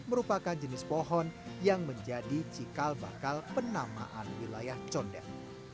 merupakan jenis pohon yang menjadi cikal bakal penamaan wilayah condet